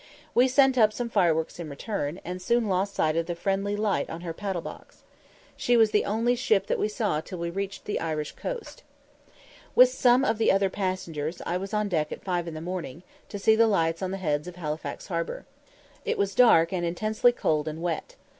We sent up some fireworks in return, and soon lost sight of the friendly light on her paddle box. She was the only ship that we saw till we reached the Irish coast. With some of the other passengers, I was on deck at five in the morning, to see the lights on the heads of Halifax harbour. It was dark and intensely cold and wet.